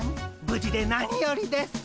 無事で何よりです。